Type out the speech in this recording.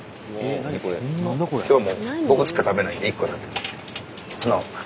今日はもう僕しか食べないんで一個だけ。